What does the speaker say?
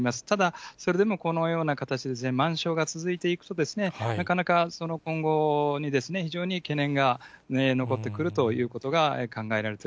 ただ、それでもこのような形で満床が続いていくと、なかなか今後に、非常に懸念が残ってくるというこ